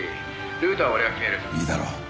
ルートは俺が決める」いいだろう。